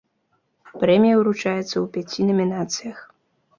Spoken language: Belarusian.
Прэмія ўручаецца ў пяці намінацыях.